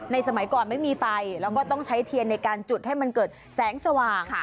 สมัยก่อนไม่มีไฟแล้วก็ต้องใช้เทียนในการจุดให้มันเกิดแสงสว่าง